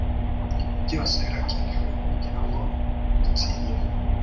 byose birakenewe kugirango dutsinde.